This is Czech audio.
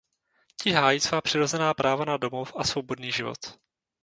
Ti hájí svá přirozená práva na domov a svobodný život.